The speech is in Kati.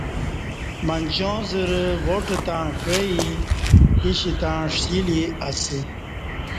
منچا زرہ واٹ تݩع کعی پِیش تݩع ݜِلی اسہ